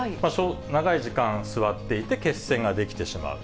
長い時間座っていて、血栓が出来てしまう。